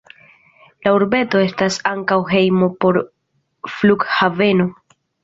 La urbeto estas ankaŭ hejmo por flughaveno.